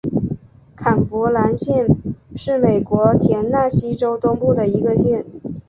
坎伯兰县是美国田纳西州东部的一个县。